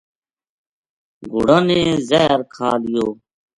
گھوڑاں نے زہر کھا لیو